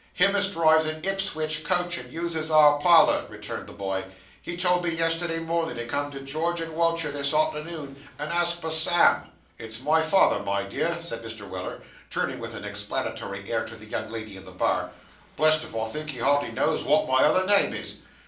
'Him as drives a Ipswich coach, and uses our parlour,' rejoined the boy. 'He told me yesterday mornin' to come to the George and Wultur this arternoon, and ask for Sam.' 'It's my father, my dear,' said Mr. Weller, turning with an explanatory air to the young lady in the bar; 'blessed if I think he hardly knows wot my other name is.